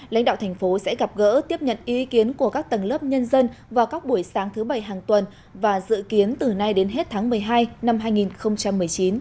lãnh đạo thành phố sẽ gặp gỡ tiếp nhận ý kiến của các tầng lớp nhân dân vào các buổi sáng thứ bảy hàng tuần và dự kiến từ nay đến hết tháng một mươi hai năm hai nghìn một mươi chín